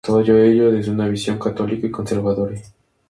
Todo ello desde una visión católica y conservadora.